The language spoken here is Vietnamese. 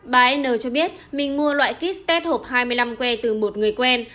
bà n cho biết mình mua loại kit start hộp hai mươi năm que từ một người quen